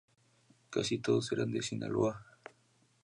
Casi todos eran de Sinaloa.